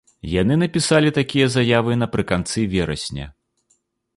Яны напісалі такія заявы напрыканцы верасня.